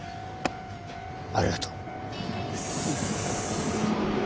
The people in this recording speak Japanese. ありがとう。